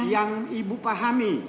yang ibu pahami